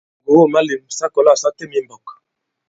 Ŋgògo ì malēm: sa kɔ̀la sa têm i mbɔ̄k.